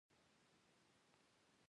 سوالګر ته خدای ښه قسمت ورکړي